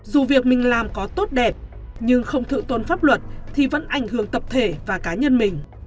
dù việc mình làm có tốt đẹp nhưng không thượng tôn pháp luật thì vẫn ảnh hưởng tập thể và cá nhân mình